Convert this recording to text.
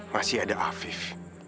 masih ada afif